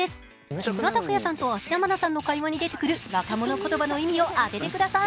木村拓哉さんと芦田愛菜の会話に出てくる若者言葉の意味を当ててください。